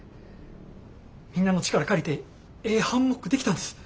みんなの力借りてええハンモック出来たんです。